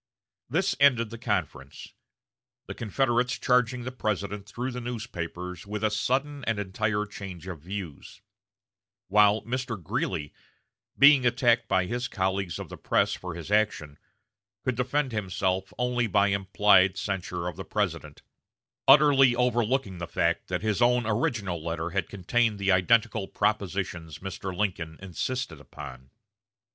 This ended the conference; the Confederates charging the President through the newspapers with a "sudden and entire change of views"; while Mr. Greeley, being attacked by his colleagues of the press for his action, could defend himself only by implied censure of the President, utterly overlooking the fact that his own original letter had contained the identical propositions Mr. Lincoln insisted upon.